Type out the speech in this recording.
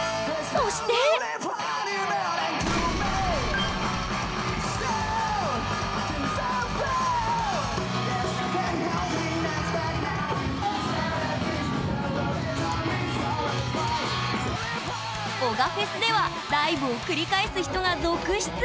そして男鹿フェスではダイブを繰り返す人が続出！